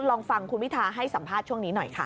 ลองฟังคุณพิทาให้สัมภาษณ์ช่วงนี้หน่อยค่ะ